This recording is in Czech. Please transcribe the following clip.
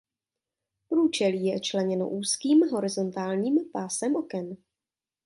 Průčelí je členěno úzkým horizontálním pásem oken.